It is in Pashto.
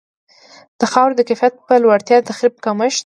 د خاورې د کیفیت په لوړتیا، د تخریب په کمښت.